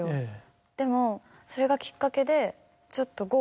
でもそれがきっかけでちょっと。